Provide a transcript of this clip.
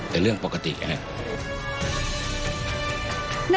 เป็นเรื่องปกติแหละ